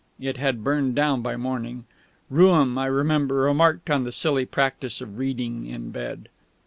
It had burned down by morning. Rooum, I remember, remarked on the silly practice of reading in bed.